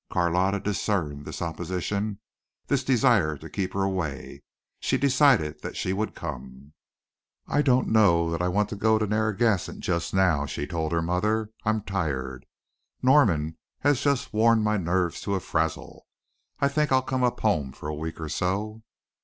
Carlotta discerned this opposition this desire to keep her away. She decided that she would come. "I don't know that I want to go to Narragansett just now," she told her mother. "I'm tired. Norman has just worn my nerves to a frazzle. I think I'll come up home for a week or so."